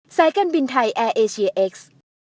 กลุ่มวิจัยฯบินไทยแอร์เอเชียร์อีก